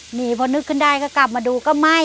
หนีพอนึกขึ้นได้ก็กลับมาดูก็ไม่